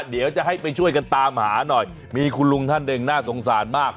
เดี๋ยวจะให้ไปช่วยกันตามหาหน่อยมีคุณลุงท่านหนึ่งน่าสงสารมาก